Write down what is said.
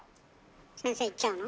先生行っちゃうの？